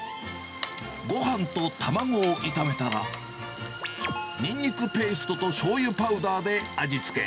ごはんと卵を炒めたら、ニンニクペーストとしょうゆパウダーで味付け。